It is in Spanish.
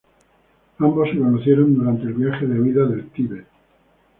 Ambos se conocieron durante el viaje de huida del Tibet.